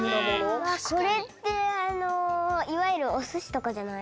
これっていわゆるおすしとかじゃない？